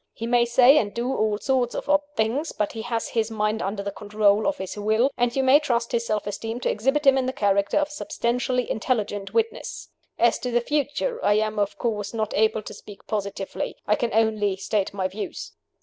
He may say and do all sorts of odd things; but he has his mind under the control of his will, and you may trust his self esteem to exhibit him in the character of a substantially intelligent witness. "As to the future, I am, of course, not able to speak positively. I can only state my views.